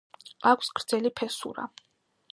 აქვს გრძელი ფესურა.